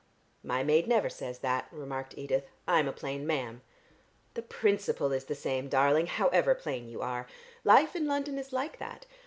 "My maid never says that," remarked Edith. "I'm a plain ma'am." "The principle is the same, darling, however plain you are. Life in London is like that.